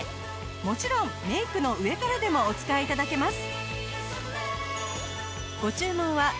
もちろんメイクの上からでもお使い頂けます。